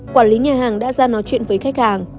quản lý nhà hàng đã ra nói chuyện với khách hàng